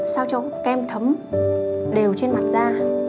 sau chống kem thấm đều trên mặt da